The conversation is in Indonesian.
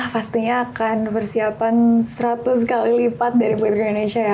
pastinya akan persiapan seratus kali lipat dari putri indonesia ya